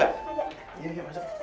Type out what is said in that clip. ada di dalam mas